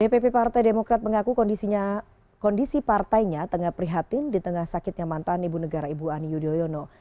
dpp partai demokrat mengaku kondisi partainya tengah prihatin di tengah sakitnya mantan ibu negara ibu ani yudhoyono